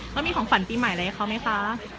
ต้องมีของฝันปีใหม่เลยไหมครับ